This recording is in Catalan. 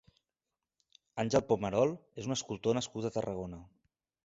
Àngel Pomerol és un escultor nascut a Tarragona.